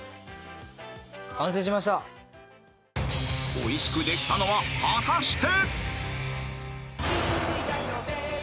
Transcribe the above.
［おいしくできたのは果たして？］